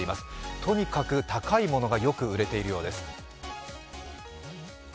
とにかく高いものがよく売れているようです。